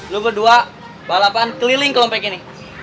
lo kedua balapan keliling kelompok ini